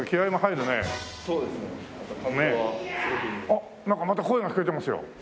あっなんかまた声が聞こえてますよ。